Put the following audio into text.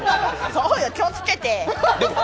そうよ、気をつけて！